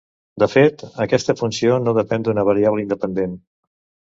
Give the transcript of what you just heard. De fet, aquesta funció no depèn d'una variable independent.